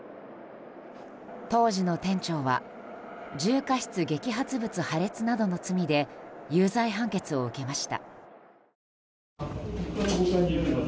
当時の店長は重過失激発物破裂などの罪で有罪判決を受けました。